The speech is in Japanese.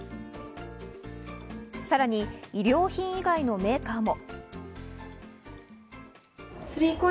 さらに衣料品以外のメーカーも。